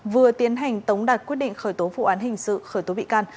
vừa tiến hành tống đạt quyết định khởi tố vụ án hình sự khởi tố bị can